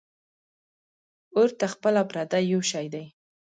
ـ اور ته خپل او پردي یو شی دی .